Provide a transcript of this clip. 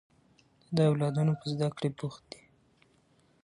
د ده اولادونه په زده کړې بوخت دي